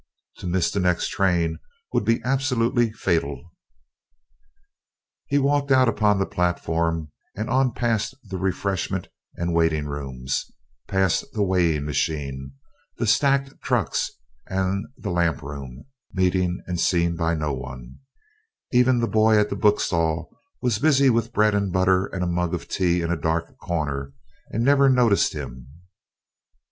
To miss the next train would be absolutely fatal. He walked out upon the platform, and on past the refreshment and waiting rooms, past the weighing machine, the stacked trucks and the lamp room, meeting and seen by none even the boy at the bookstall was busy with bread and butter and a mug of tea in a dark corner, and never noticed him.